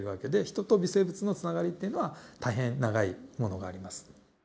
人と微生物のつながりっていうのは大変長いものがあります。